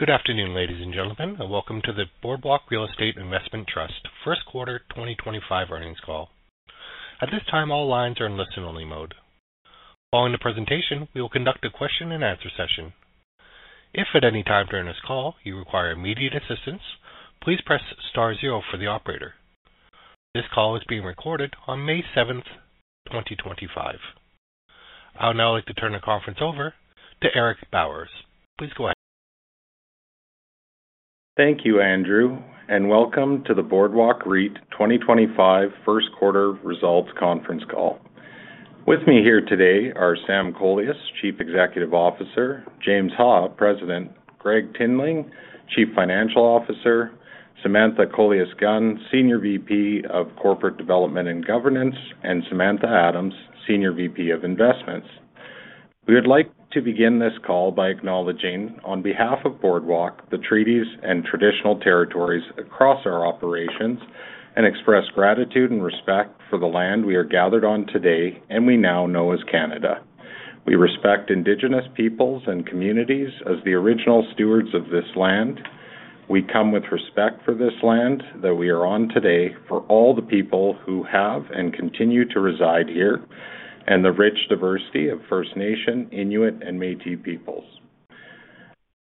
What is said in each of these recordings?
Good afternoon, ladies and gentlemen, and welcome to the Boardwalk Real Estate Investment Trust First Quarter 2025 Earnings Call. At this time, all lines are in listen-only mode. Following the presentation, we will conduct a question-and-answer session. If at any time during this call you require immediate assistance, please press star zero for the operator. This call is being recorded on May 7th, 2025. I would now like to turn the conference over to Eric Bowers. Please go ahead. Thank you, Andrew, and welcome to the Boardwalk Real Estate Investment Trust 2025 first quarter results conference call. With me here today are Sam Kolias, Chief Executive Officer; James Ha, President; Gregg Tinling, Chief Financial Officer; Samantha Kolias-Gunn, Senior VP of Corporate Development and Governance; and Samantha Adams, Senior VP of Investments. We would like to begin this call by acknowledging, on behalf of Boardwalk, the treaties and traditional territories across our operations, and express gratitude and respect for the land we are gathered on today and we now know as Canada. We respect Indigenous peoples and communities as the original stewards of this land. We come with respect for this land that we are on today for all the people who have and continue to reside here, and the rich diversity of 1st Nation, Inuit, and Métis peoples.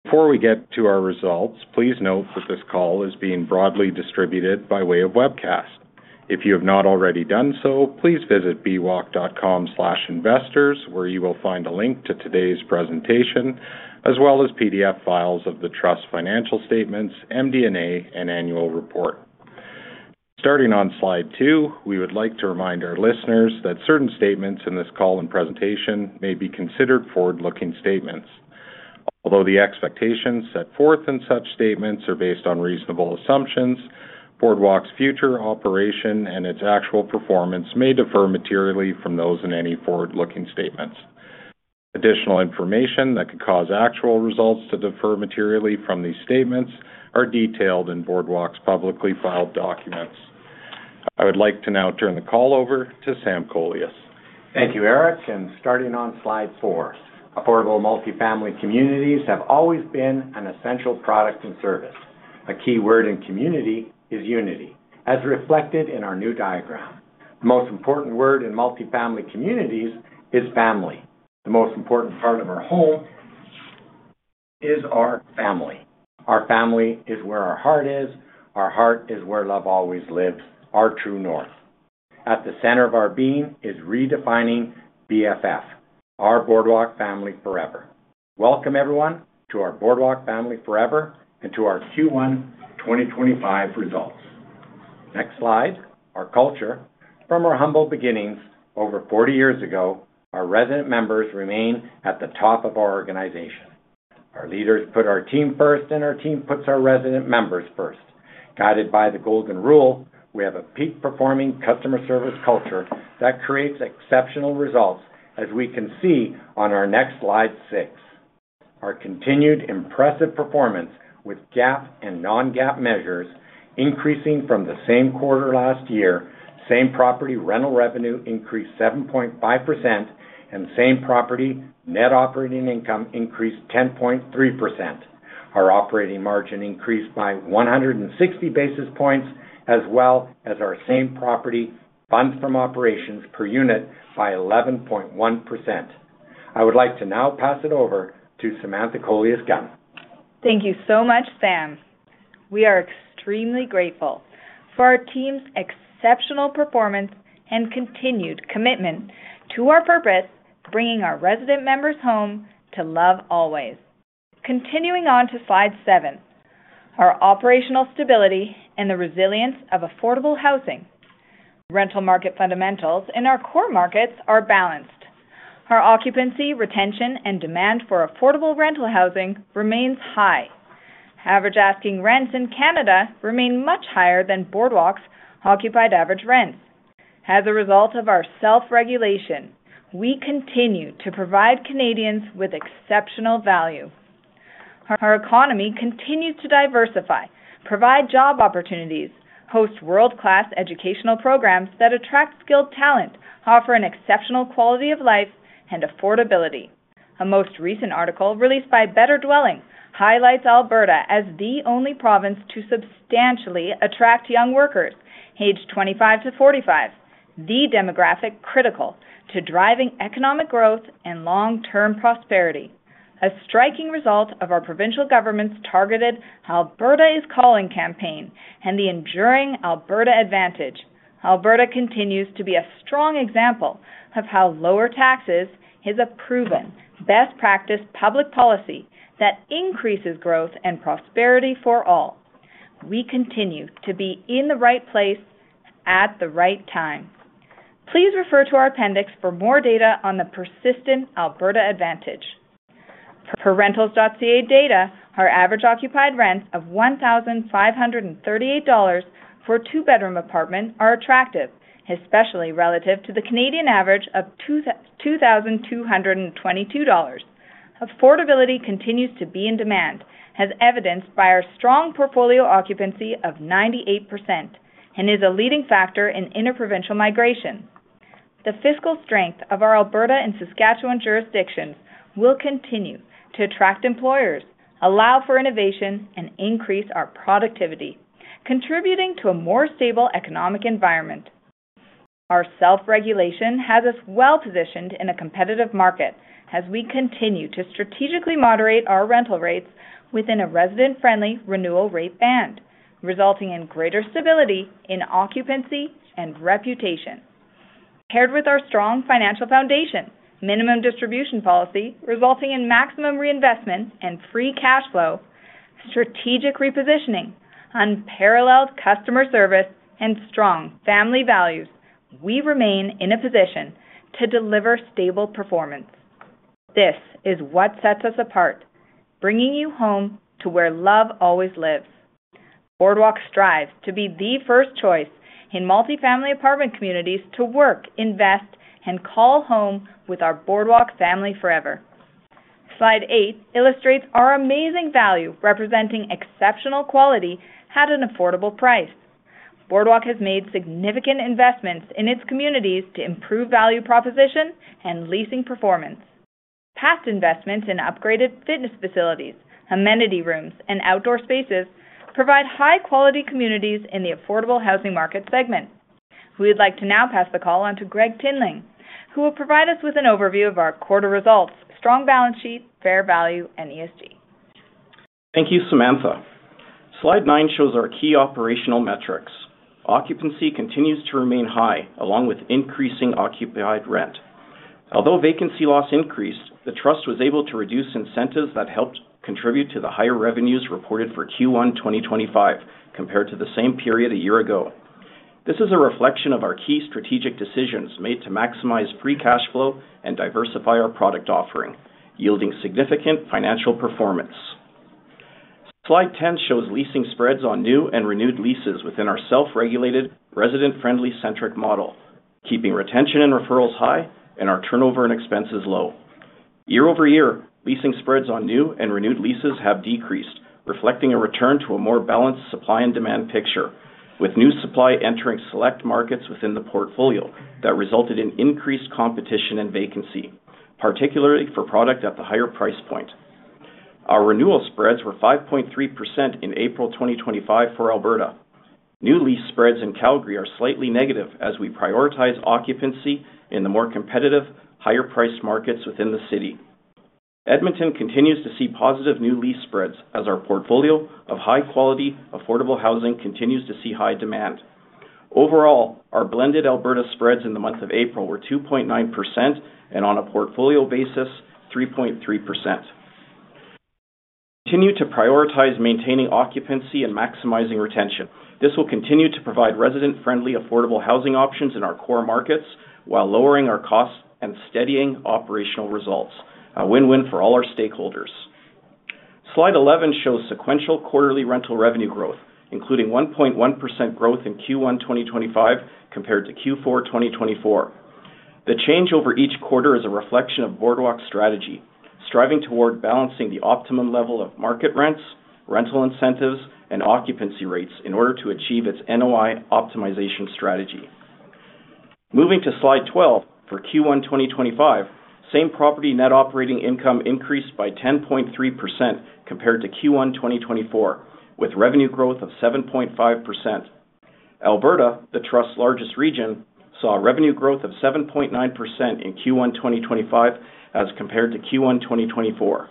Before we get to our results, please note that this call is being broadly distributed by way of webcast. If you have not already done so, please visit bwalk.com/investors, where you will find a link to today's presentation, as well as PDF files of the trust financial statements, MD&A, and annual report. Starting on slide two, we would like to remind our listeners that certain statements in this call and presentation may be considered forward-looking statements. Although the expectations set forth in such statements are based on reasonable assumptions, Boardwalk's future operation and its actual performance may differ materially from those in any forward-looking statements. Additional information that could cause actual results to differ materially from these statements is detailed in Boardwalk's publicly filed documents. I would like to now turn the call over to Sam Kolias. Thank you, Eric. Starting on slide four, affordable multifamily communities have always been an essential product and service. A key word in community is unity, as reflected in our new diagram. The most important word in multifamily communities is family. The most important part of our home is our family. Our family is where our heart is. Our heart is where love always lives. Our true north. At the center of our being is redefining BFF, our Boardwalk family forever. Welcome, everyone, to our Boardwalk family forever and to our Q1 2025 results. Next slide. Our culture. From our humble beginnings over 40 years ago, our resident members remain at the top of our organization. Our leaders put our team 1st, and our team puts our resident members 1st. Guided by the golden rule, we have a peak-performing customer service culture that creates exceptional results, as we can see on our next slide six. Our continued impressive performance with GAAP and non-GAAP measures increasing from the same quarter last year, same property rental revenue increased 7.5%, and same property net operating income increased 10.3%. Our operating margin increased by 160 basis points, as well as our same property funds from operations per unit by 11.1%. I would like to now pass it over to Samantha Kolias-Gunn. Thank you so much, Sam. We are extremely grateful for our team's exceptional performance and continued commitment to our purpose, bringing our resident members home to love always. Continuing on to slide seven, our operational stability and the resilience of affordable housing. Rental market fundamentals in our core markets are balanced. Our occupancy, retention, and demand for affordable rental housing remains high. Average asking rents in Canada remain much higher than Boardwalk's occupied average rents. As a result of our self-regulation, we continue to provide Canadians with exceptional value. Our economy continues to diversify, provide job opportunities, host world-class educational programs that attract skilled talent, offer an exceptional quality of life and affordability. A most recent article released by Better Dwelling highlights Alberta as the only province to substantially attract young workers, aged 25 to 45, the demographic critical to driving economic growth and long-term prosperity. A striking result of our provincial government's targeted Alberta is calling campaign and the enduring Alberta advantage. Alberta continues to be a strong example of how lower taxes is a proven, best-practiced public policy that increases growth and prosperity for all. We continue to be in the right place at the right time. Please refer to our appendix for more data on the persistent Alberta advantage. Per Rentals.ca data, our average occupied rents of 1,538 dollars for a two-bedroom apartment are attractive, especially relative to the Canadian average of 2,222 dollars. Affordability continues to be in demand, as evidenced by our strong portfolio occupancy of 98%, and is a leading factor in interprovincial migration. The fiscal strength of our Alberta and Saskatchewan jurisdictions will continue to attract employers, allow for innovation, and increase our productivity, contributing to a more stable economic environment. Our self-regulation has us well positioned in a competitive market as we continue to strategically moderate our rental rates within a resident-friendly renewal rate band, resulting in greater stability in occupancy and reputation. Paired with our strong financial foundation, minimum distribution policy resulting in maximum reinvestment and free cash flow, strategic repositioning, unparalleled customer service, and strong family values, we remain in a position to deliver stable performance. This is what sets us apart, bringing you home to where love always lives. Boardwalk strives to be the 1st choice in multifamily apartment communities to work, invest, and call home with our Boardwalk family forever. Slide eight illustrates our amazing value, representing exceptional quality at an affordable price. Boardwalk has made significant investments in its communities to improve value proposition and leasing performance. Past investments in upgraded fitness facilities, amenity rooms, and outdoor spaces provide high-quality communities in the affordable housing market segment. We would like to now pass the call on to Gregg Tinling, who will provide us with an overview of our quarter results, strong balance sheet, fair value, and ESG. Thank you, Samantha. Slide nine shows our key operational metrics. Occupancy continues to remain high, along with increasing occupied rent. Although vacancy loss increased, the trust was able to reduce incentives that helped contribute to the higher revenues reported for Q1 2025 compared to the same period a year ago. This is a reflection of our key strategic decisions made to maximize free cash flow and diversify our product offering, yielding significant financial performance. Slide 10 shows leasing spreads on new and renewed leases within our self-regulated, resident-friendly-centric model, keeping retention and referrals high and our turnover and expenses low. Year-over-year, leasing spreads on new and renewed leases have decreased, reflecting a return to a more balanced supply and demand picture, with new supply entering select markets within the portfolio that resulted in increased competition and vacancy, particularly for product at the higher price point. Our renewal spreads were 5.3% in April 2025 for Alberta. New lease spreads in Calgary are slightly negative as we prioritize occupancy in the more competitive, higher-priced markets within the city. Edmonton continues to see positive new lease spreads as our portfolio of high-quality, affordable housing continues to see high demand. Overall, our blended Alberta spreads in the month of April were 2.9% and on a portfolio basis, 3.3%. We continue to prioritize maintaining occupancy and maximizing retention. This will continue to provide resident-friendly, affordable housing options in our core markets while lowering our costs and steadying operational results. A win-win for all our stakeholders. Slide 11 shows sequential quarterly rental revenue growth, including 1.1% growth in Q1 2025 compared to Q4 2024. The change over each quarter is a reflection of Boardwalk's strategy, striving toward balancing the optimum level of market rents, rental incentives, and occupancy rates in order to achieve its NOI optimization strategy. Moving to slide 12 for Q1 2025, same property net operating income increased by 10.3% compared to Q1 2024, with revenue growth of 7.5%. Alberta, the trust's largest region, saw revenue growth of 7.9% in Q1 2025 as compared to Q1 2024.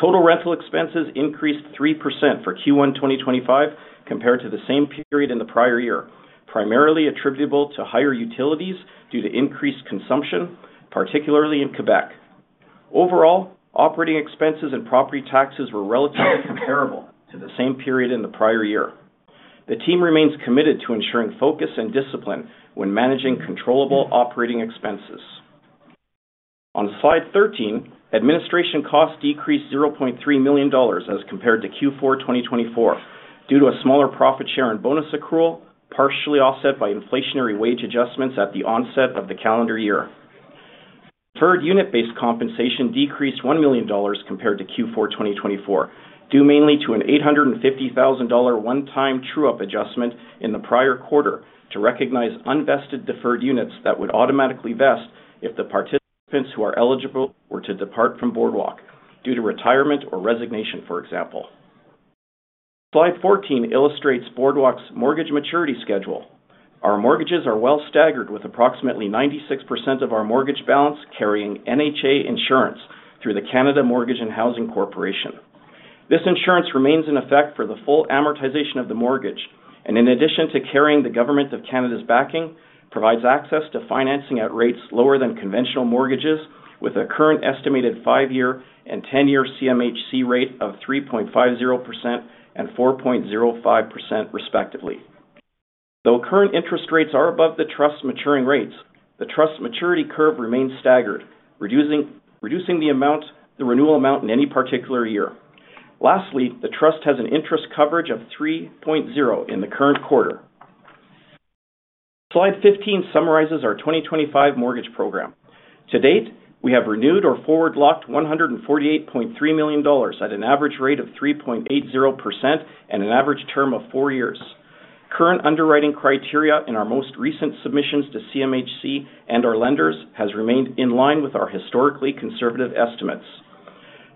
Total rental expenses increased 3% for Q1 2025 compared to the same period in the prior year, primarily attributable to higher utilities due to increased consumption, particularly in Quebec. Overall, operating expenses and property taxes were relatively comparable to the same period in the prior year. The team remains committed to ensuring focus and discipline when managing controllable operating expenses. On slide 13, administration costs decreased 0.3 million dollars as compared to Q4 2024 due to a smaller profit share in bonus accrual, partially offset by inflationary wage adjustments at the onset of the calendar year. Deferred unit-based compensation decreased 1 million dollars compared to Q4 2024, due mainly to a 850,000 dollar one-time true-up adjustment in the prior quarter to recognize unvested deferred units that would automatically vest if the participants who are eligible were to depart from Boardwalk due to retirement or resignation, for example. Slide 14 illustrates Boardwalk's mortgage maturity schedule. Our mortgages are well staggered, with approximately 96% of our mortgage balance carrying NHA insurance through the Canada Mortgage and Housing Corporation. This insurance remains in effect for the full amortization of the mortgage, and in addition to carrying the government of Canada's backing, provides access to financing at rates lower than conventional mortgages, with a current estimated five-year and ten-year CMHC rate of 3.50% and 4.05%, respectively. Though current interest rates are above the trust's maturing rates, the trust's maturity curve remains staggered, reducing the renewal amount in any particular year. Lastly, the trust has an interest coverage of 3.0% in the current quarter. Slide 15 summarizes our 2025 mortgage program. To date, we have renewed or forward-locked 148.3 million dollars at an average rate of 3.80% and an average term of four years. Current underwriting criteria in our most recent submissions to CMHC and our lenders has remained in line with our historically conservative estimates.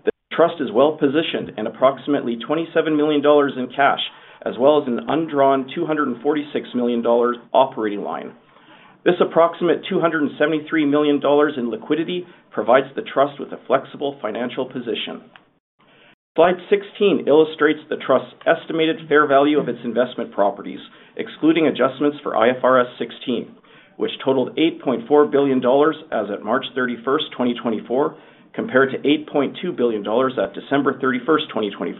The trust is well positioned in approximately 27 million dollars in cash, as well as an undrawn 246 million dollars operating line. This approximate 273 million dollars in liquidity provides the trust with a flexible financial position. Slide 16 illustrates the trust's estimated fair value of its investment properties, excluding adjustments for IFRS 16, which totaled 8.4 billion dollars as of March 31st, 2024, compared to 8.2 billion dollars at December 31st, 2023.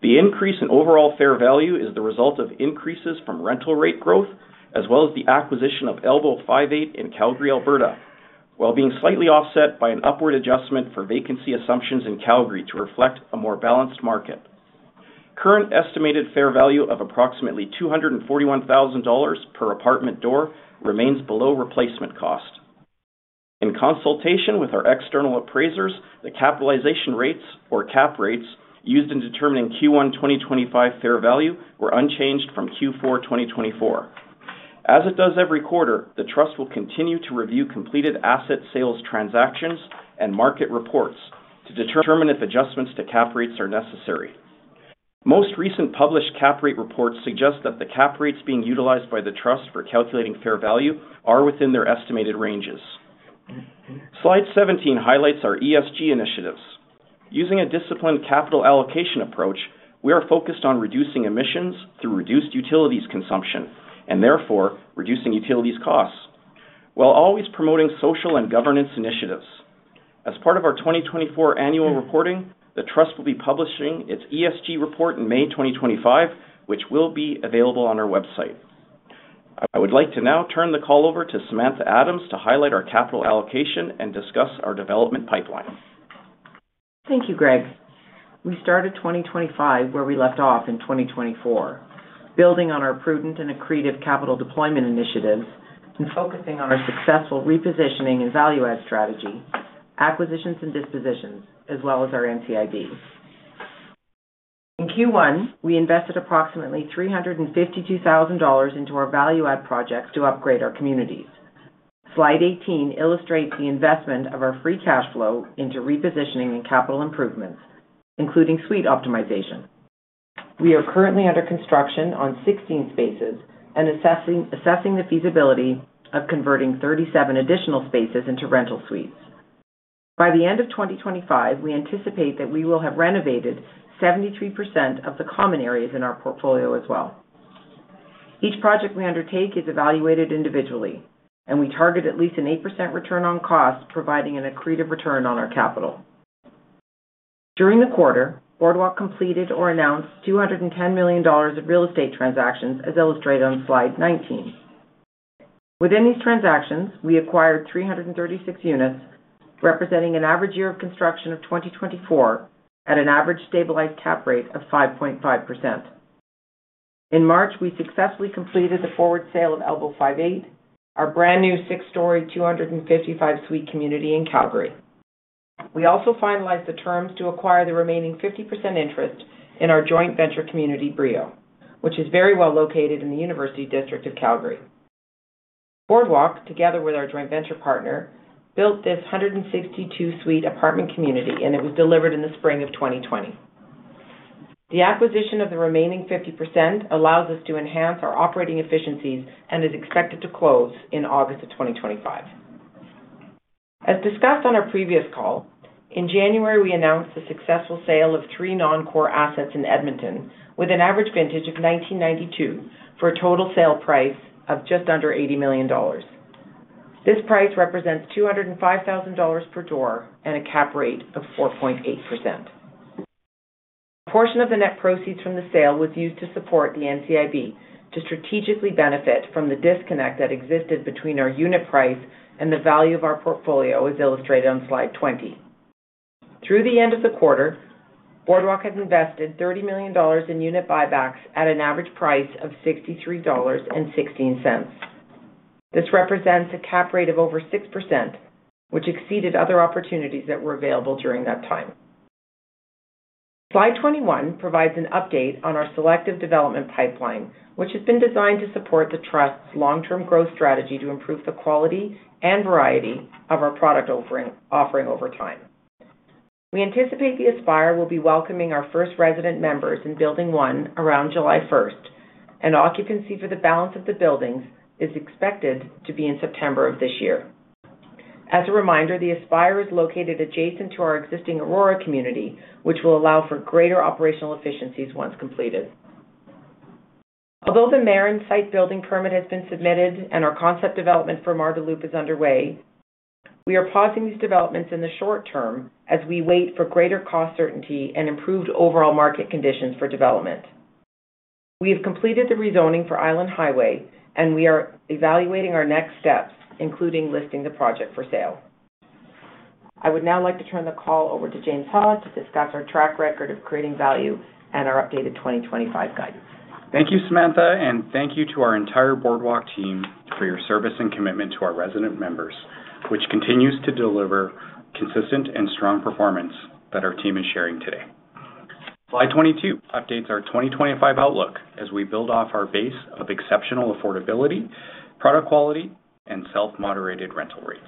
The increase in overall fair value is the result of increases from rental rate growth, as well as the acquisition of Elbow five eight in Calgary, Alberta, while being slightly offset by an upward adjustment for vacancy assumptions in Calgary to reflect a more balanced market. Current estimated fair value of approximately 241,000 dollars per apartment door remains below replacement cost. In consultation with our external appraisers, the capitalization rates, or cap rates, used in determining Q1 2025 fair value were unchanged from Q4 2024. As it does every quarter, the trust will continue to review completed asset sales transactions and market reports to determine if adjustments to cap rates are necessary. Most recent published cap rate reports suggest that the cap rates being utilized by the trust for calculating fair value are within their estimated ranges. Slide 17 highlights our ESG initiatives. Using a disciplined capital allocation approach, we are focused on reducing emissions through reduced utilities consumption and therefore reducing utilities costs, while always promoting social and governance initiatives. As part of our 2024 annual reporting, the trust will be publishing its ESG report in May 2025, which will be available on our website. I would like to now turn the call over to Samantha Adams to highlight our capital allocation and discuss our development pipeline. Thank you, Gregg. We started 2025 where we left off in 2024, building on our prudent and accretive capital deployment initiatives and focusing on our successful repositioning and value-add strategy, acquisitions and dispositions, as well as our NCIB. In Q1, we invested approximately 352,000 dollars into our value-add projects to upgrade our communities. Slide 18 illustrates the investment of our free cash flow into repositioning and capital improvements, including suite optimization. We are currently under construction on 16 spaces and assessing the feasibility of converting 37 additional spaces into rental suites. By the end of 2025, we anticipate that we will have renovated 73% of the common areas in our portfolio as well. Each project we undertake is evaluated individually, and we target at least an 8% return on cost, providing an accretive return on our capital. During the quarter, Boardwalk completed or announced 210 million dollars in real estate transactions, as illustrated on slide 19. Within these transactions, we acquired 336 units, representing an average year of construction of 2024 at an average stabilized cap rate of 5.5%. In March, we successfully completed the forward sale of Elbow five eight, our brand new six-story, 255-suite community in Calgary. We also finalized the terms to acquire the remaining 50% interest in our joint venture community, Brio, which is very well located in the University District of Calgary. Boardwalk, together with our joint venture partner, built this 162-suite apartment community, and it was delivered in the spring of 2020. The acquisition of the remaining 50% allows us to enhance our operating efficiencies and is expected to close in August of 2025. As discussed on our previous call, in January, we announced the successful sale of three non-core assets in Edmonton with an average vintage of 1992 for a total sale price of just under 80 million dollars. This price represents 205,000 dollars per door and a cap rate of 4.8%. A portion of the net proceeds from the sale was used to support the NCIB to strategically benefit from the disconnect that existed between our unit price and the value of our portfolio, as illustrated on slide 20. Through the end of the quarter, Boardwalk had invested 30 million dollars in unit buybacks at an average price of 63.16 dollars. This represents a cap rate of over 6%, which exceeded other opportunities that were available during that time. Slide 21 provides an update on our selective development pipeline, which has been designed to support the trust's long-term growth strategy to improve the quality and variety of our product offering over time. We anticipate the Aspire will be welcoming our 1st resident members in building one around July 1st, and occupancy for the balance of the buildings is expected to be in September of this year. As a reminder, the Aspire is located adjacent to our existing Aurora community, which will allow for greater operational efficiencies once completed. Although the Marin site building permit has been submitted and our concept development for Marda Loop is underway, we are pausing these developments in the short term as we wait for greater cost certainty and improved overall market conditions for development. We have completed the rezoning for Island Highway, and we are evaluating our next steps, including listing the project for sale. I would now like to turn the call over to James Ha to discuss our track record of creating value and our updated 2025 guidance. Thank you, Samantha, and thank you to our entire Boardwalk team for your service and commitment to our resident members, which continues to deliver consistent and strong performance that our team is sharing today. Slide 22 updates our 2025 outlook as we build off our base of exceptional affordability, product quality, and self-moderated rental rates.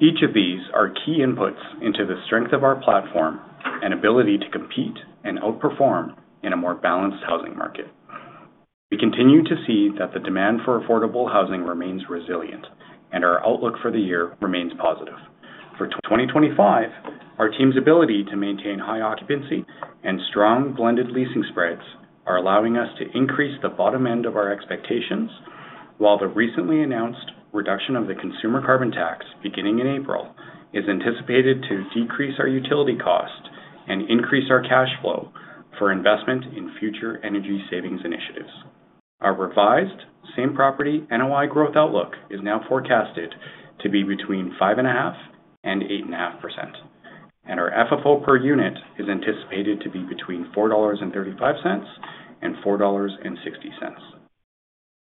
Each of these are key inputs into the strength of our platform and ability to compete and outperform in a more balanced housing market. We continue to see that the demand for affordable housing remains resilient, and our outlook for the year remains positive. For 2025, our team's ability to maintain high occupancy and strong blended leasing spreads are allowing us to increase the bottom end of our expectations, while the recently announced reduction of the consumer carbon tax, beginning in April, is anticipated to decrease our utility cost, and increase our cash flow for investment in future energy savings initiatives. Our revised same property NOI growth outlook is now forecasted to be between 5.5%-8.5%, and our FFO per unit is anticipated to be between 4.35-4.60 dollars.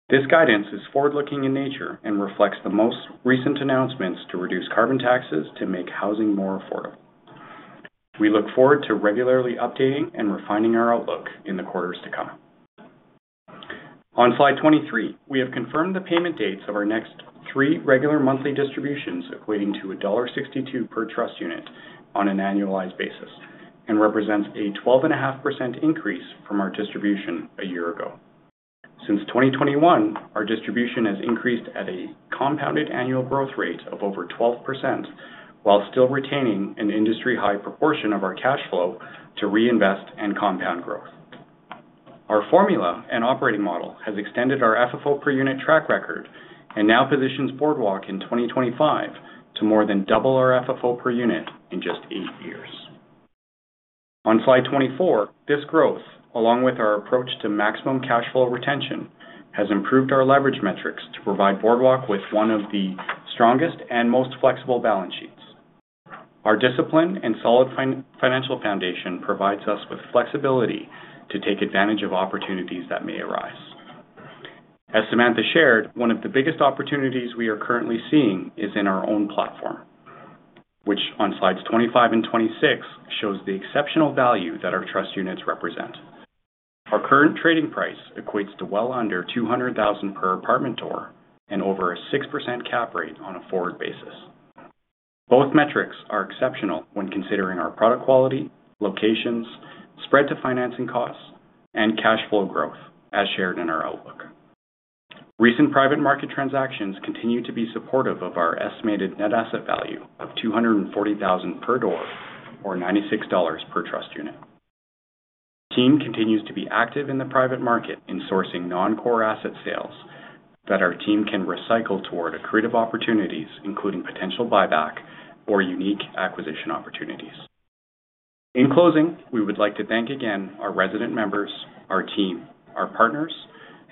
This guidance is forward-looking in nature and reflects the most recent announcements to reduce carbon taxes to make housing more affordable. We look forward to regularly updating and refining our outlook in the quarters to come. On slide 23, we have confirmed the payment dates of our next three regular monthly distributions equating to dollar 1.62 per trust unit on an annualized basis and represents a 12.5% increase from our distribution a year ago. Since 2021, our distribution has increased at a compounded annual growth rate of over 12%, while still retaining an industry-high proportion of our cash flow to reinvest and compound growth. Our formula and operating model has extended our FFO per unit track record and now positions Boardwalk in 2025 to more than double our FFO per unit in just eight years. On slide 24, this growth, along with our approach to maximum cash flow retention, has improved our leverage metrics to provide Boardwalk with one of the strongest and most flexible balance sheets. Our discipline and solid financial foundation provides us with flexibility to take advantage of opportunities that may arise. As Samantha shared, one of the biggest opportunities we are currently seeing is in our own platform, which on slides 25 and 26 shows the exceptional value that our trust units represent. Our current trading price equates to well under 200,000 per apartment door and over a 6% cap rate on a forward basis. Both metrics are exceptional when considering our product quality, locations, spread to financing costs, and cash flow growth, as shared in our outlook. Recent private market transactions continue to be supportive of our estimated net asset value of 240,000 per door, or 96 dollars per trust unit. Our team continues to be active in the private market in sourcing non-core asset sales that our team can recycle toward accretive opportunities, including potential buyback or unique acquisition opportunities. In closing, we would like to thank again our resident members, our team, our partners,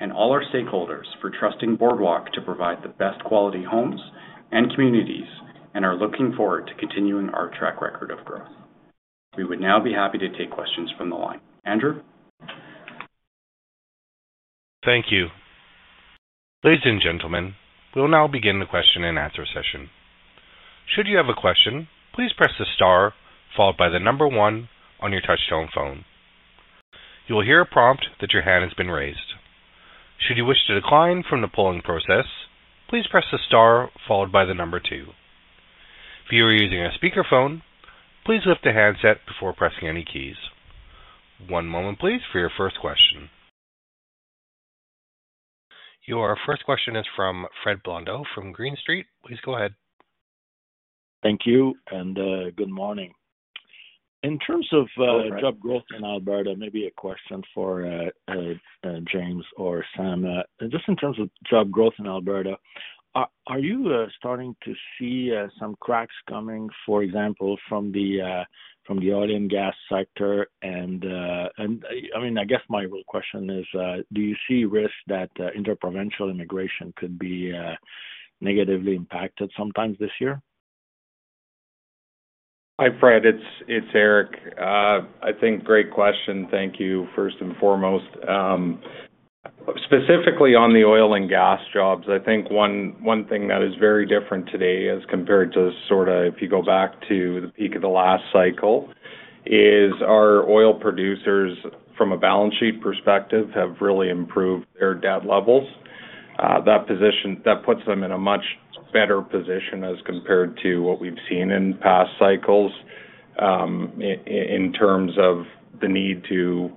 and all our stakeholders for trusting Boardwalk to provide the best quality homes and communities, and are looking forward to continuing our track record of growth. We would now be happy to take questions from the line. Andrew? Thank you. Ladies and gentlemen, we'll now begin the question and answer session. Should you have a question, please press the star followed by the number one on your touch-tone phone. You will hear a prompt that your hand has been raised. Should you wish to decline from the polling process, please press the star followed by the number two. If you are using a speakerphone, please lift the handset before pressing any keys. One moment, please, for your 1st question. Your 1st question is from Fred Blondeau from Green Street. Please go ahead. Thank you, and good morning. In terms of job growth in Alberta, maybe a question for James or Sam. Just in terms of job growth in Alberta, are you starting to see some cracks coming, for example, from the oil and gas sector? I guess my real question is, do you see risk that interprovincial immigration could be negatively impacted sometime this year? Hi, Fred. It's Eric. I think great question. Thank you, 1st and foremost. Specifically on the oil and gas jobs, I think one thing that is very different today as compared to sort of if you go back to the peak of the last cycle is our oil producers, from a balance sheet perspective, have really improved their debt levels. That puts them in a much better position as compared to what we've seen in past cycles in terms of the need to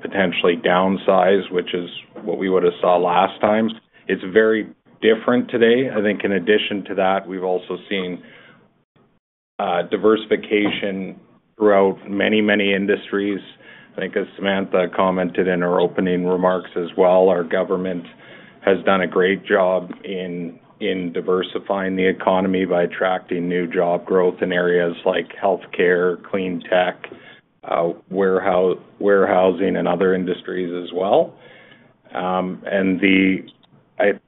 potentially downsize, which is what we would have saw last time. It's very different today. I think in addition to that, we've also seen diversification throughout many, many industries. I think, as Samantha commented in her opening remarks as well, our government has done a great job in diversifying the economy by attracting new job growth in areas like healthcare, clean tech, warehousing, and other industries as well. I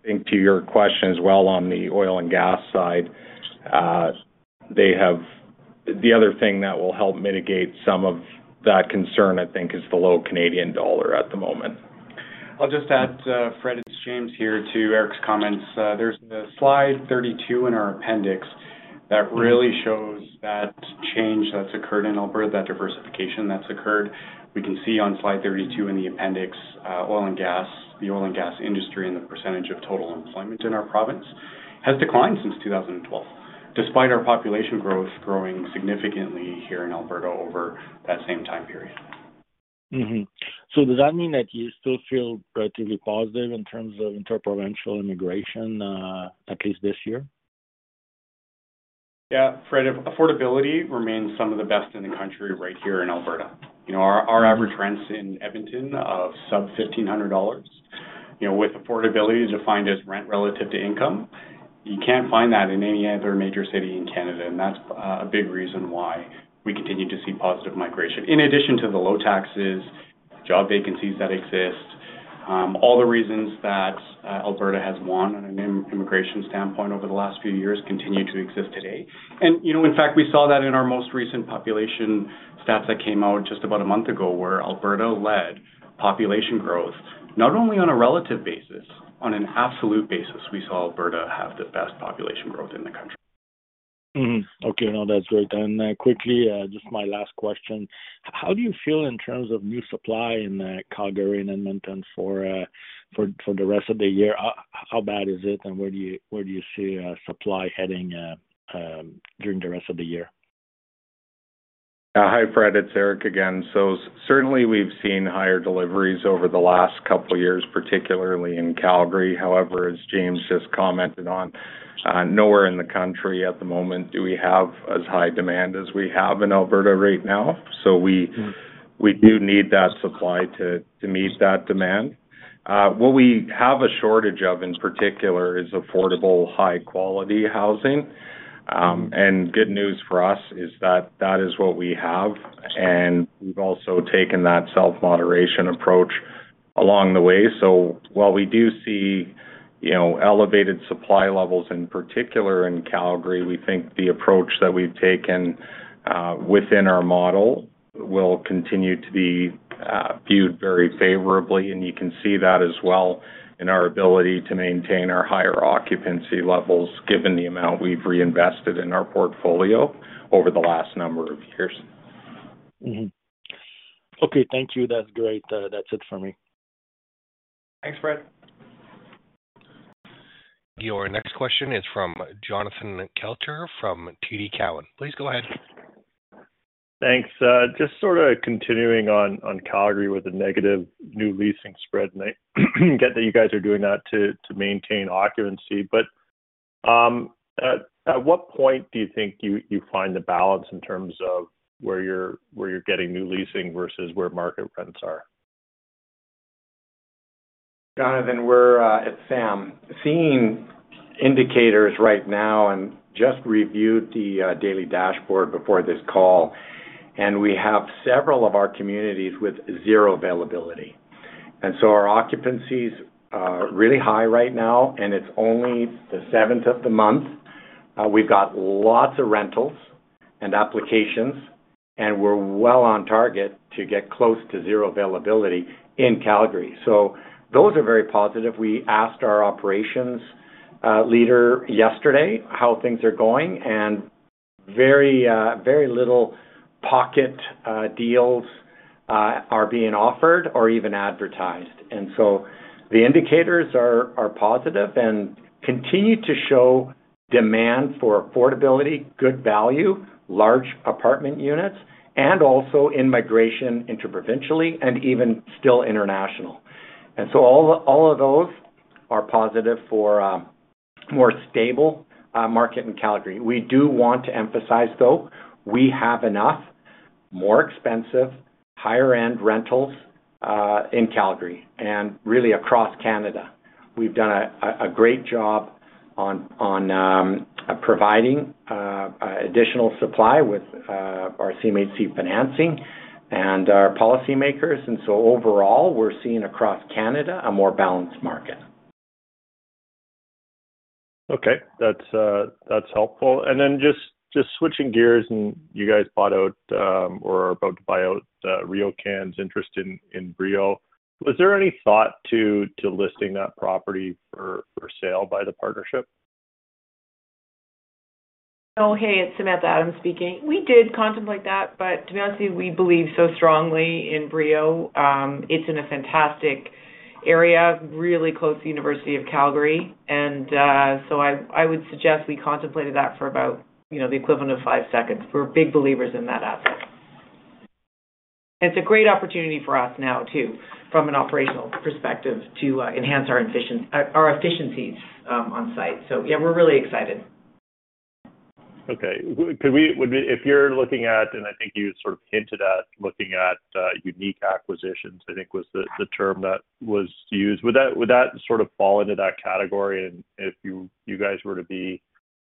think to your question as well on the oil and gas side, the other thing that will help mitigate some of that concern, I think, is the low Canadian dollar at the moment. I'll just add, Fred, it's James here to Eric's comments. There is slide 32 in our appendix that really shows that change that's occurred in Alberta, that diversification that's occurred. We can see on slide 32 in the appendix, the oil and gas industry and the percentage of total employment in our province has declined since 2012, despite our population growth growing significantly here in Alberta over that same time period. Does that mean that you still feel relatively positive in terms of interprovincial immigration, at least this year? Yeah. Affordability remains some of the best in the country right here in Alberta. Our average rents in Edmonton are sub-CAD 1,500, with affordability defined as rent relative to income. You can't find that in any other major city in Canada, and that's a big reason why we continue to see positive migration, in addition to the low taxes, job vacancies that exist. All the reasons that Alberta has won on an immigration standpoint over the last few years continue to exist today. In fact, we saw that in our most recent population stats that came out just about a month ago, where Alberta led population growth, not only on a relative basis, on an absolute basis, we saw Alberta have the best population growth in the country. Okay. No, that's great. Quickly, just my last question. How do you feel in terms of new supply in Calgary and Edmonton for the rest of the year? How bad is it, and where do you see supply heading during the rest of the year? Hi, Fred. It's Eric again. Certainly, we've seen higher deliveries over the last couple of years, particularly in Calgary. However, as James just commented on, nowhere in the country at the moment do we have as high demand as we have in Alberta right now. We do need that supply to meet that demand. What we have a shortage of in particular is affordable, high-quality housing. Good news for us is that that is what we have. We've also taken that self-moderation approach along the way. While we do see elevated supply levels in particular in Calgary, we think the approach that we've taken within our model will continue to be viewed very favorably. You can see that as well in our ability to maintain our higher occupancy levels, given the amount we've reinvested in our portfolio over the last number of years. Okay. Thank you. That's great. That's it for me. Thanks, Fred. Your next question is from Jonathan Kelcher from TD Cowen. Please go ahead. Thanks. Just sort of continuing on Calgary with a negative new leasing spread, and I get that you guys are doing that to maintain occupancy. At what point do you think you find the balance in terms of where you're getting new leasing versus where market rents are? Jonathan, we are at Sam. Seeing indicators right now, and just reviewed the daily dashboard before this call, and we have several of our communities with zero availability. Our occupancy is really high right now, and it is only the 7th of the month. We have lots of rentals and applications, and we are well on target to get close to zero availability in Calgary. Those are very positive. We asked our operations leader yesterday how things are going, and very little pocket deals are being offered or even advertised. The indicators are positive and continue to show demand for affordability, good value, large apartment units, and also in migration interprovincially and even still international. All of those are positive for a more stable market in Calgary. We do want to emphasize, though, we have enough more expensive, higher-end rentals in Calgary, and really across Canada. We've done a great job on providing additional supply with our CMHC financing and our policymakers. Overall, we're seeing across Canada a more balanced market. Okay. That's helpful. Just switching gears, and you guys bought out or are about to buy out RioCan's interest in Brio. Was there any thought to listing that property for sale by the partnership? Oh, hey. It's Samantha Adams speaking. We did contemplate that, but to be honest with you, we believe so strongly in Brio. It's in a fantastic area, really close to the University of Calgary. I would suggest we contemplated that for about the equivalent of five seconds. We're big believers in that asset. It's a great opportunity for us now too, from an operational perspective, to enhance our efficiencies on site. Yeah, we're really excited. Okay. If you're looking at, and I think you sort of hinted at, looking at unique acquisitions, I think was the term that was used, would that sort of fall into that category? If you guys were to be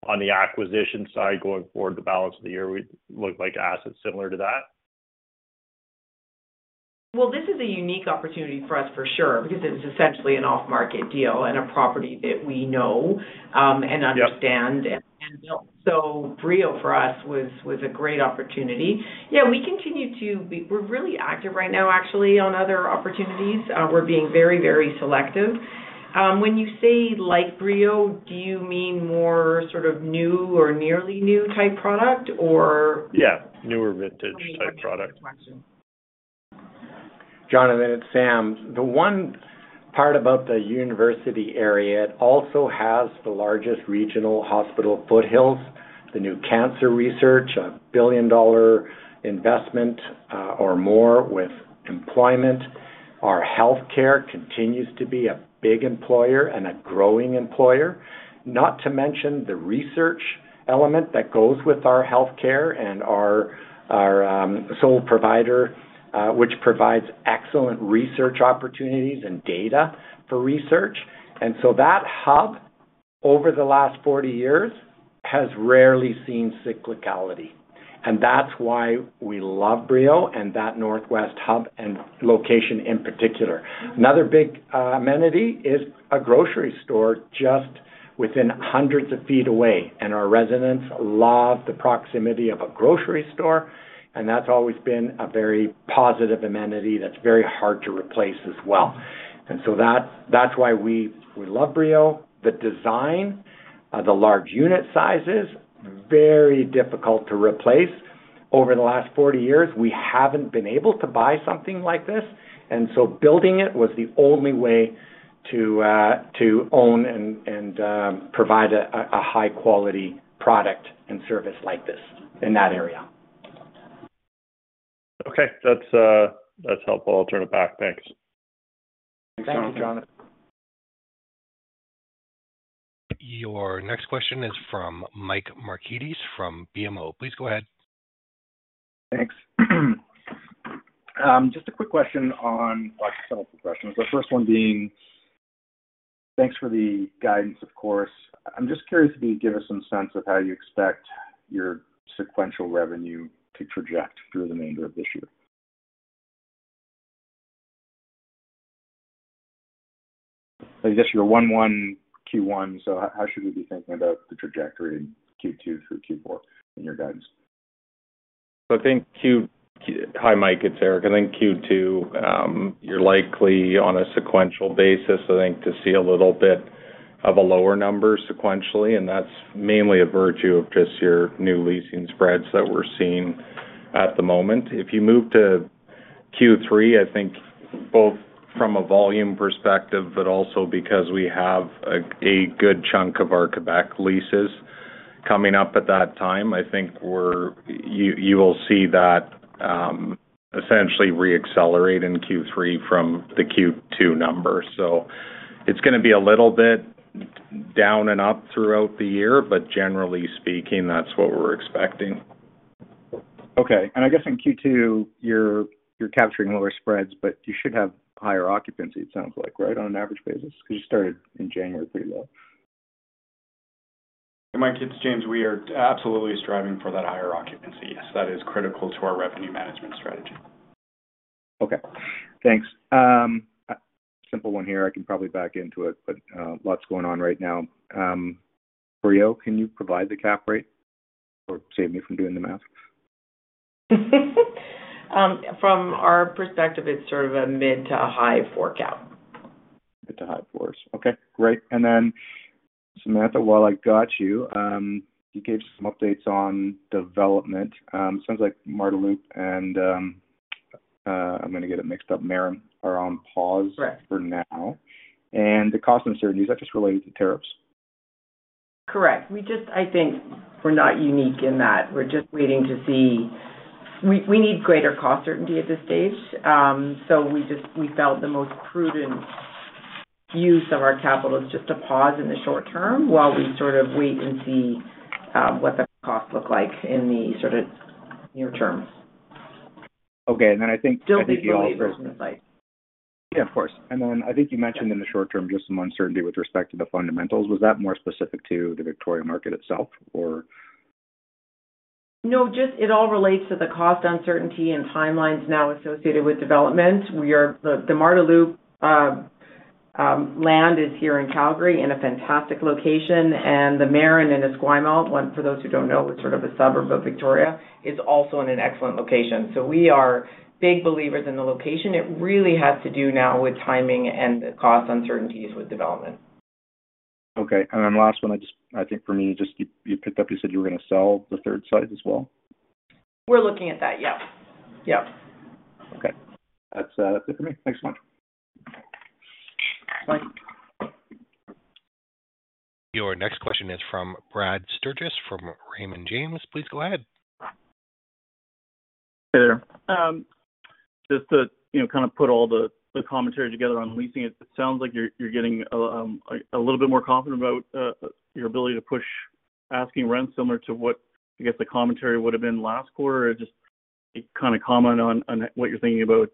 on the acquisition side going forward, the balance of the year would look like assets similar to that? This is a unique opportunity for us, for sure, because it was essentially an off-market deal and a property that we know and understand and built. Brio for us was a great opportunity. Yeah, we continue to be—we're really active right now, actually, on other opportunities. We're being very, very selective. When you say like Brio, do you mean more sort of new or nearly new type product, or? Yeah. Newer vintage type product. Jonathan, it's Sam. The one part about the university area, it also has the largest regional hospital, Foothills, the new cancer research, a billion-dollar investment or more with employment. Our healthcare continues to be a big employer and a growing employer, not to mention the research element that goes with our healthcare and our sole provider, which provides excellent research opportunities and data for research. That hub, over the last 40 years, has rarely seen cyclicality. That is why we love Brio and that Northwest hub and location in particular. Another big amenity is a grocery store just within hundreds of feet away. Our residents love the proximity of a grocery store. That has always been a very positive amenity that is very hard to replace as well. That is why we love Brio. The design, the large unit sizes, very difficult to replace. Over the last 40 years, we have not been able to buy something like this. Building it was the only way to own and provide a high-quality product and service like this in that area. Okay. That's helpful. I'll turn it back. Thanks. Thank you, Jonathan. Your next question is from Mike Marchetti from BMO. Please go ahead. Thanks. Just a quick question on some of the questions. The 1st one being, thanks for the guidance, of course. I'm just curious if you could give us some sense of how you expect your sequential revenue to traject through the remainder of this year. I guess your Q1, so how should we be thinking about the trajectory in Q2 through Q4 in your guidance? I think Q—hi, Mike. It's Eric. I think Q2, you're likely on a sequential basis, I think, to see a little bit of a lower number sequentially. That's mainly a virtue of just your new leasing spreads that we're seeing at the moment. If you move to Q3, I think both from a volume perspective, but also because we have a good chunk of our Quebec leases coming up at that time, I think you will see that essentially re-accelerate in Q3 from the Q2 number. It's going to be a little bit down and up throughout the year, but generally speaking, that's what we're expecting. Okay. I guess in Q2, you're capturing lower spreads, but you should have higher occupancy, it sounds like, right, on an average basis? Because you started in January pretty low. Mike, it's James. We are absolutely striving for that higher occupancy. Yes, that is critical to our revenue management strategy. Okay. Thanks. Simple one here. I can probably back into it, but lots going on right now. Brio, can you provide the cap rate or save me from doing the math? From our perspective, it's sort of a mid to a high forecast. Mid to high force. Okay. Great. Samantha, while I got you, you gave some updates on development. Sounds like Marda Loop and Marin are on pause for now. The cost uncertainties, that's just related to tariffs. Correct. I think we're not unique in that. We're just waiting to see—we need greater cost certainty at this stage. We felt the most prudent use of our capital is just to pause in the short term while we sort of wait and see what the costs look like in the sort of near term. Okay. And then I think. Still thinking longer-term insight. Yeah, of course. I think you mentioned in the short term just some uncertainty with respect to the fundamentals. Was that more specific to the Victoria market itself, or? No, just it all relates to the cost uncertainty and timelines now associated with development. The Marda Loop land is here in Calgary in a fantastic location. And the Marin in Esquimalt—for those who do not know, it is sort of a suburb of Victoria—is also in an excellent location. We are big believers in the location. It really has to do now with timing and the cost uncertainties with development. Okay. And then last one, I think for me, just you picked up, you said you were going to sell the 3rd site as well. We're looking at that. Yeah. Yep. Okay. That's it for me. Thanks so much. Your next question is from Brad Sturges from Raymond James. Please go ahead. Hey there. Just to kind of put all the commentary together on leasing, it sounds like you're getting a little bit more confident about your ability to push asking rents similar to what, I guess, the commentary would have been last quarter. Just kind of comment on what you're thinking about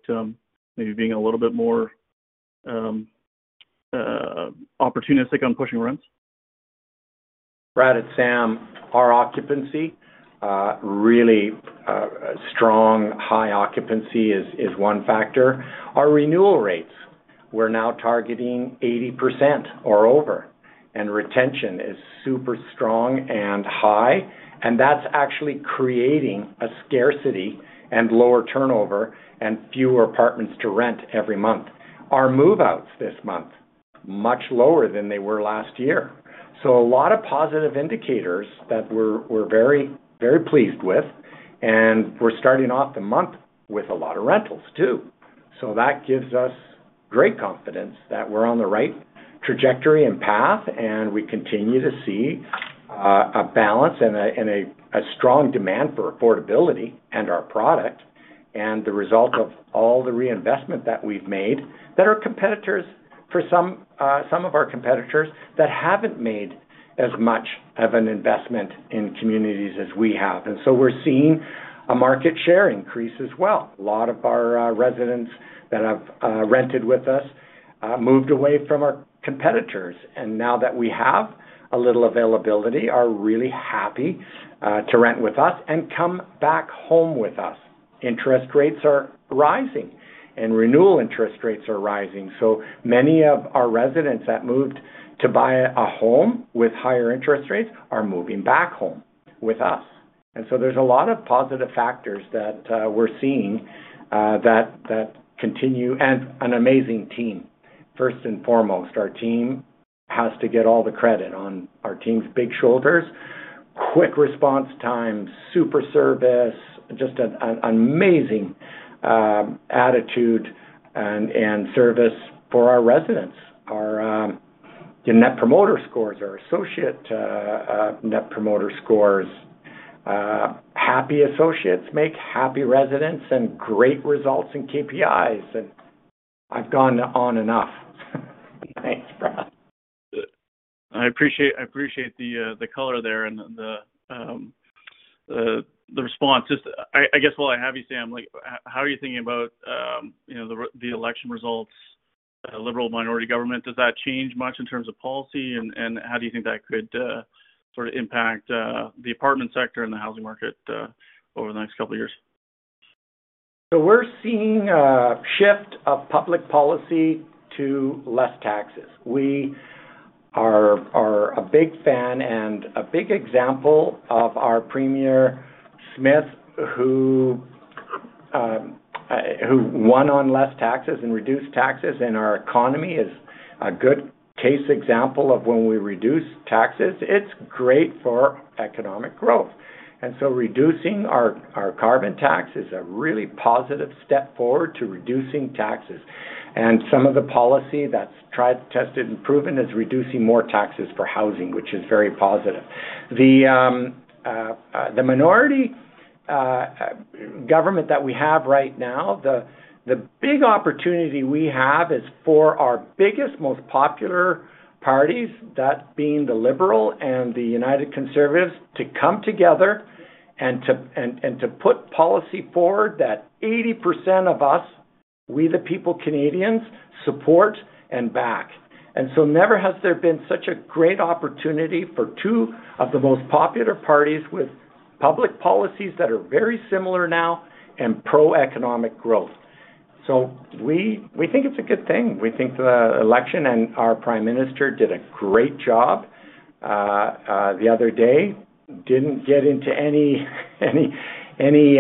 maybe being a little bit more opportunistic on pushing rents. Brad, at Sam, our occupancy, really strong, high occupancy is one factor. Our renewal rates, we're now targeting 80% or over. Retention is super strong and high. That is actually creating a scarcity and lower turnover and fewer apartments to rent every month. Our move-outs this month, much lower than they were last year. A lot of positive indicators that we're very pleased with. We're starting off the month with a lot of rentals too. That gives us great confidence that we're on the right trajectory and path. We continue to see a balance and a strong demand for affordability and our product. The result of all the reinvestment that we've made that our competitors, for some of our competitors that haven't made as much of an investment in communities as we have. We're seeing a market share increase as well. A lot of our residents that have rented with us moved away from our competitors. Now that we have a little availability, are really happy to rent with us and come back home with us. Interest rates are rising, and renewal interest rates are rising. Many of our residents that moved to buy a home with higher interest rates are moving back home with us. There are a lot of positive factors that we're seeing that continue and an amazing team. 1st and foremost, our team has to get all the credit on our team's big shoulders. Quick response times, super service, just an amazing attitude and service for our residents. Our net promoter scores are associate net promoter scores. Happy associates make happy residents and great results in KPIs. I've gone on enough. Thanks, Brad. I appreciate the color there and the response. I guess while I have you, Sam, how are you thinking about the election results? Liberal minority government, does that change much in terms of policy? How do you think that could sort of impact the apartment sector and the housing market over the next couple of years? We're seeing a shift of public policy to less taxes. We are a big fan and a big example of our Premier Smith, who won on less taxes and reduced taxes. Our economy is a good case example of when we reduce taxes, it's great for economic growth. Reducing our carbon tax is a really positive step forward to reducing taxes. Some of the policy that's tried, tested, and proven is reducing more taxes for housing, which is very positive. The minority government that we have right now, the big opportunity we have is for our biggest, most popular parties, that being the Liberal and the United Conservatives, to come together and to put policy forward that 80% of us, we the people Canadians, support and back. Never has there been such a great opportunity for two of the most popular parties with public policies that are very similar now and pro-economic growth. We think it is a good thing. We think the election and our Prime Minister did a great job the other day. Did not get into any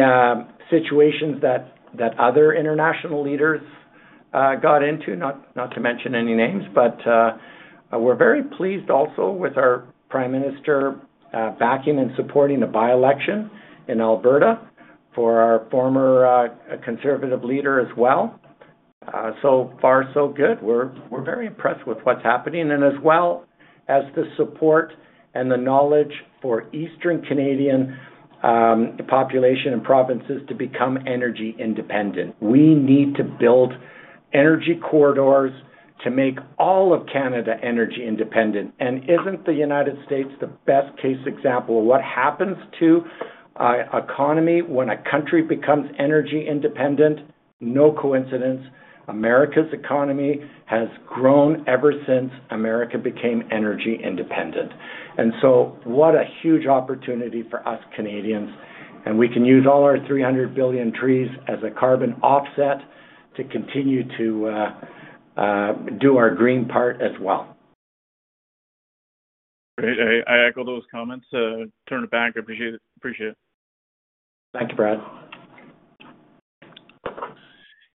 situations that other international leaders got into, not to mention any names. We are very pleased also with our Prime Minister backing and supporting the by-election in Alberta for our former conservative leader as well. So far, so good. We are very impressed with what is happening. As well as the support and the knowledge for Eastern Canadian population and provinces to become energy independent. We need to build energy corridors to make all of Canada energy independent. Isn't the United States the best case example of what happens to an economy when a country becomes energy independent? No coincidence. America's economy has grown ever since America became energy independent. What a huge opportunity for us Canadians. We can use all our 300 billion trees as a carbon offset to continue to do our green part as well. I echo those comments. Turn it back. Appreciate it. Thank you, Brad.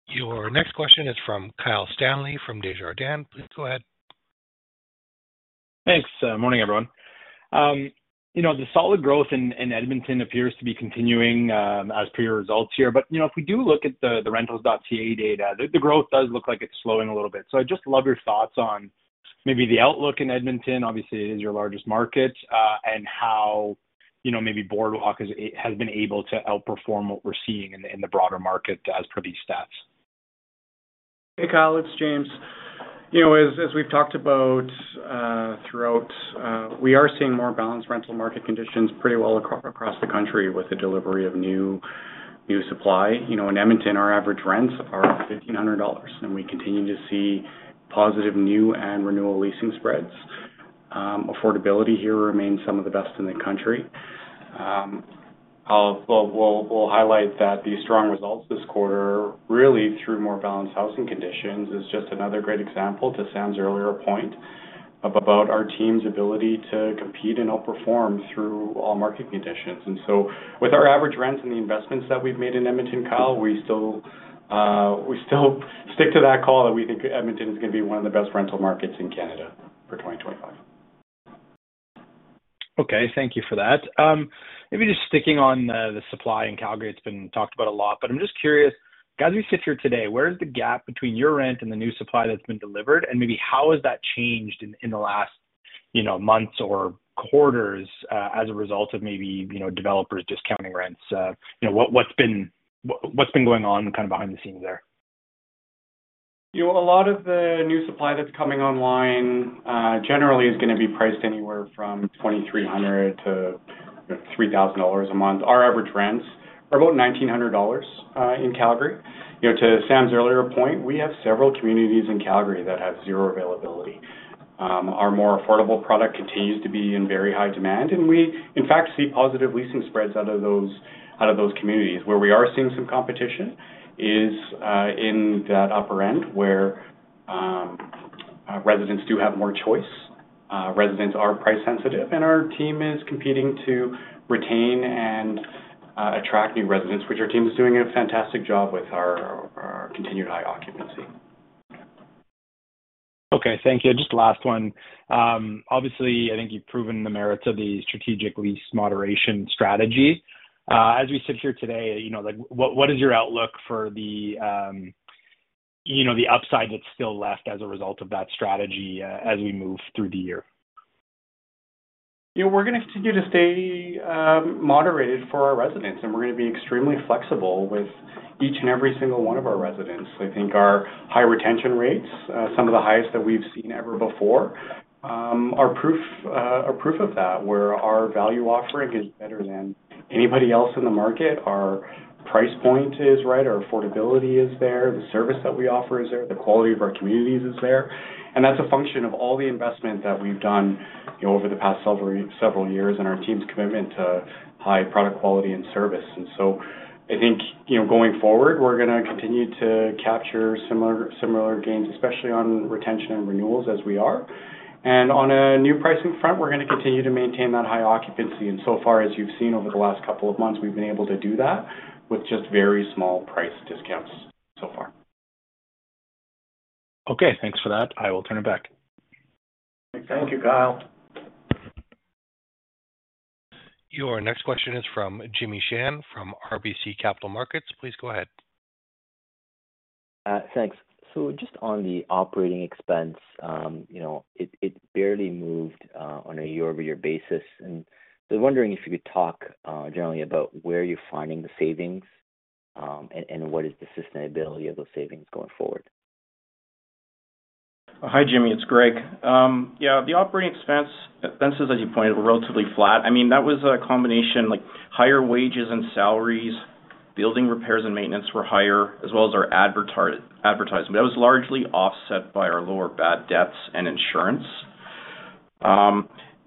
Your next question is from Kyle Stanley from Desjardins. Please go ahead. Thanks. Morning, everyone. The solid growth in Edmonton appears to be continuing as per your results here. If we do look at the Rentals.ca data, the growth does look like it's slowing a little bit. I'd just love your thoughts on maybe the outlook in Edmonton. Obviously, it is your largest market. How maybe Boardwalk has been able to outperform what we're seeing in the broader market as per these stats. Hey, Kyle. It's James. As we've talked about throughout, we are seeing more balanced rental market conditions pretty well across the country with the delivery of new supply. In Edmonton, our average rents are 1,500 dollars. We continue to see positive new and renewal leasing spreads. Affordability here remains some of the best in the country. I will highlight that the strong results this quarter really through more balanced housing conditions is just another great example to Sam's earlier point about our team's ability to compete and outperform through all market conditions. With our average rents and the investments that we've made in Edmonton, Kyle, we still stick to that call that we think Edmonton is going to be one of the best rental markets in Canada for 2025. Okay. Thank you for that. Maybe just sticking on the supply in Calgary, it's been talked about a lot. I'm just curious, as we sit here today, where is the gap between your rent and the new supply that's been delivered? And maybe how has that changed in the last months or quarters as a result of maybe developers discounting rents? What's been going on kind of behind the scenes there? A lot of the new supply that is coming online generally is going to be priced anywhere from 2,300-3,000 dollars a month. Our average rents are about 1,900 dollars in Calgary. To Sam's earlier point, we have several communities in Calgary that have zero availability. Our more affordable product continues to be in very high demand. We, in fact, see positive leasing spreads out of those communities. Where we are seeing some competition, is in that upper end where residents do have more choice. Residents are price-sensitive. Our team is competing to retain and attract new residents, which our team is doing a fantastic job with our continued high occupancy. Okay. Thank you. Just last one. Obviously, I think you've proven the merits of the strategic lease moderation strategy. As we sit here today, what is your outlook for the upside that's still left as a result of that strategy as we move through the year? We're going to continue to stay moderated for our residents. We're going to be extremely flexible with each and every single one of our residents. I think our high retention rates, some of the highest that we've seen ever before, are proof of that, where our value offering is better than anybody else in the market. Our price point is right. Our affordability is there. The service that we offer is there. The quality of our communities is there. That's a function of all the investment that we've done over the past several years and our team's commitment to high product quality and service. I think going forward, we're going to continue to capture similar gains, especially on retention and renewals as we are. On a new pricing front, we're going to continue to maintain that high occupancy. As you've seen over the last couple of months, we've been able to do that with just very small price discounts so far. Okay. Thanks for that. I will turn it back. Thank you, Kyle. Your next question is from Jimmy Shan from RBC Capital Markets. Please go ahead. Thanks. Just on the operating expense, it barely moved on a year-over-year basis. I am wondering if you could talk generally about where you are finding the savings and what is the sustainability of those savings going forward. Hi, Jimmy. It's Greg. Yeah. The operating expenses, as you pointed, were relatively flat. I mean, that was a combination like higher wages and salaries, building repairs and maintenance were higher, as well as our advertisement. That was largely offset by our lower bad debts and insurance.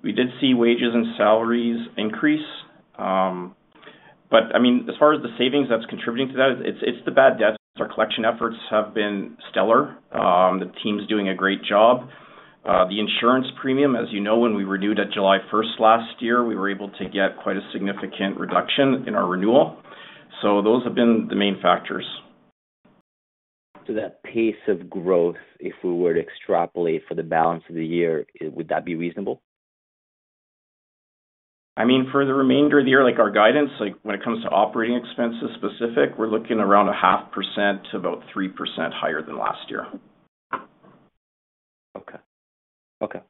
We did see wages and salaries increase. I mean, as far as the savings that's contributing to that, it's the bad debts. Our collection efforts have been stellar. The team's doing a great job. The insurance premium, as you know, when we renewed at July 1st last year, we were able to get quite a significant reduction in our renewal. Those have been the main factors. To that pace of growth, if we were to extrapolate for the balance of the year, would that be reasonable? I mean, for the remainder of the year, like our guidance, when it comes to operating expenses specific, we're looking around 0.5%-3% higher than last year. Okay. Okay.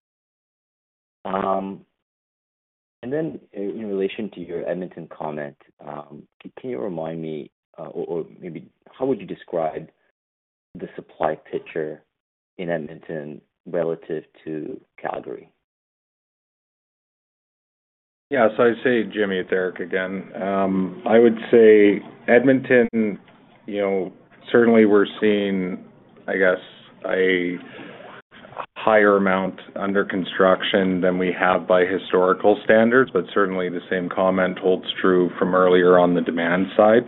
In relation to your Edmonton comment, can you remind me or maybe how would you describe the supply picture in Edmonton relative to Calgary? Yeah. I'd say, Jimmy, Eric again. I would say Edmonton, certainly we're seeing, I guess, a higher amount under construction than we have by historical standards. Certainly the same comment holds true from earlier on the demand side.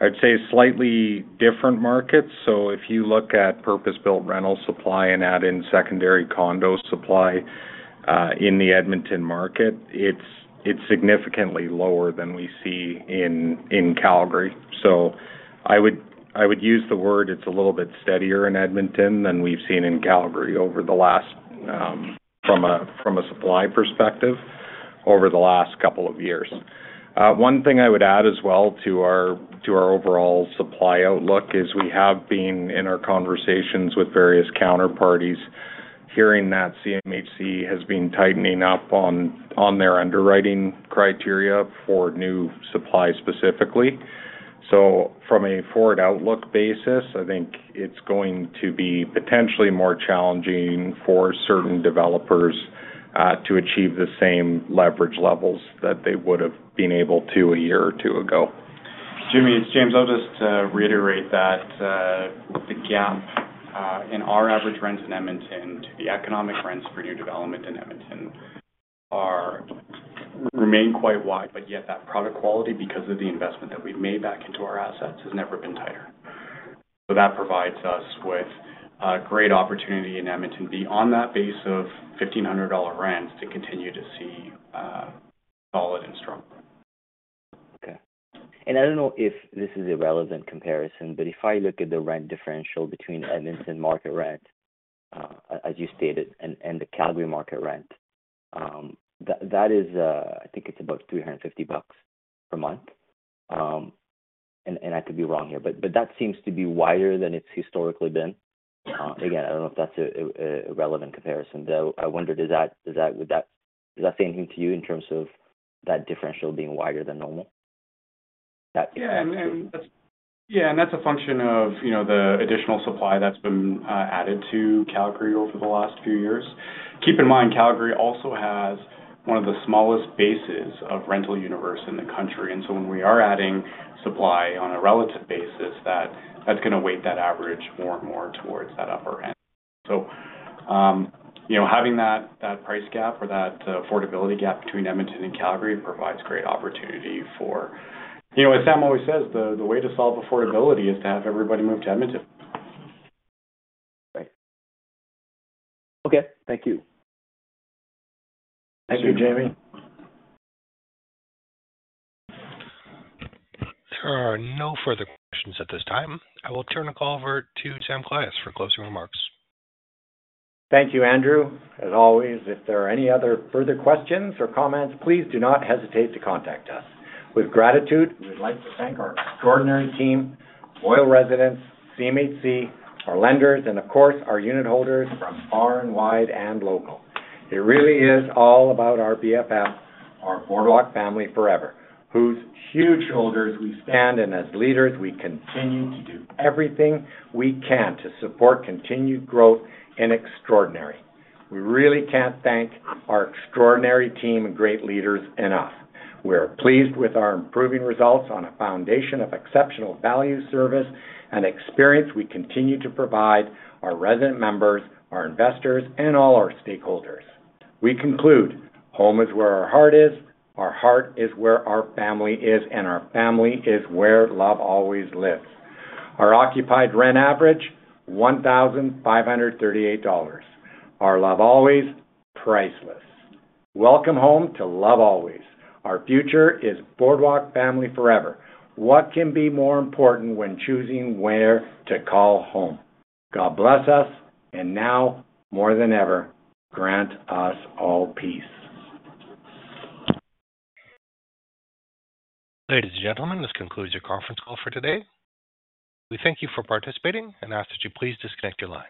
I'd say slightly different markets. If you look at purpose-built rental supply and add in secondary condo supply in the Edmonton market, it's significantly lower than we see in Calgary. I would use the word it's a little bit steadier in Edmonton than we've seen in Calgary over the last, from a supply perspective, over the last couple of years. One thing I would add as well to our overall supply outlook is we have been in our conversations with various counterparties hearing that CMHC has been tightening up on their underwriting criteria for new supply specifically. From a forward outlook basis, I think it's going to be potentially more challenging for certain developers to achieve the same leverage levels that they would have been able to a year or two ago. Jimmy, it's James. I'll just reiterate that the gap in our average rents in Edmonton to the economic rents for new development in Edmonton remain quite wide. Yet that product quality, because of the investment that we've made back into our assets, has never been tighter. That provides us with a great opportunity in Edmonton beyond that base of 1,500 dollar rents to continue to see solid and strong. Okay. I do not know if this is a relevant comparison, but if I look at the rent differential between Edmonton market rent, as you stated, and the Calgary market rent, that is, I think it is about 350 bucks per month. I could be wrong here. That seems to be wider than it has historically been. Again, I do not know if that is a relevant comparison. I wondered, would that say anything to you in terms of that differential being wider than normal? Yeah. That is a function of the additional supply that has been added to Calgary over the last few years. Keep in mind, Calgary also has one of the smallest bases of rental universe in the country. When we are adding supply on a relative basis, that is going to weight that average more and more towards that upper end. Having that price gap or that affordability gap between Edmonton and Calgary provides great opportunity for, as Sam always says, the way to solve affordability is to have everybody move to Edmonton. Right. Okay. Thank you. Thank you, Jimmy. There are no further questions at this time. I will turn the call over to Sam Kolias for closing remarks. Thank you, Andrew. As always, if there are any other further questions or comments, please do not hesitate to contact us. With gratitude, we would like to thank our extraordinary team, Royal Residence, CMHC, our lenders, and of course, our unit holders from far and wide and local. It really is all about our BFM, our Boardwalk family forever, whose huge shoulders we stand. As leaders, we continue to do everything we can to support continued growth in extraordinary. We really can't thank our extraordinary team and great leaders enough. We are pleased with our improving results on a foundation of exceptional value, service, and experience we continue to provide our resident members, our investors, and all our stakeholders. We conclude, home is where our heart is, our heart is where our family is, and our family is where love always lives. Our occupied rent average, 1,538 dollars. Our love always priceless. Welcome home to love always. Our future is Boardwalk family forever. What can be more important when choosing where to call home? God bless us. Now, more than ever, grant us all peace. Ladies and gentlemen, this concludes your conference call for today. We thank you for participating and ask that you please disconnect your lines.